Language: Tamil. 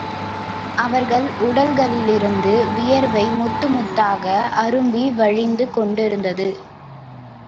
அவர்கள் உடல்களிலிருந்து வியர்வை முத்து முத்தாக அரும்பி வழிந்து கொண்டிருந்தது.